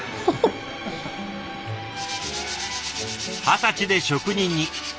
二十歳で職人に。